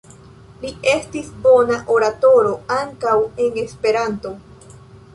Li estis bona oratoro ankaŭ en Esperanto.